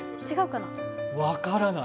分からない。